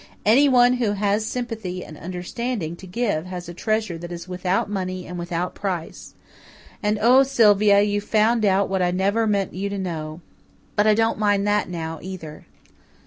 Anyone who has sympathy and understanding to give has a treasure that is without money and without price. And oh, Sylvia, you've found out what I never meant you to know. But I don't mind that now, either."